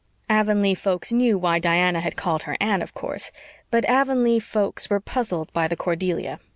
Avonlea folks knew why Diana had called her Anne, of course, but Avonlea folks were puzzled by the Cordelia.